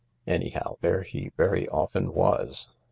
Anyhow, there he very often was.